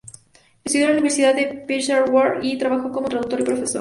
Estudió en la Universidad de Peshawar y trabajó como traductor y profesor.